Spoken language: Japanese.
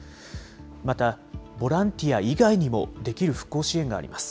また、ボランティア以外にもできる復興支援があります。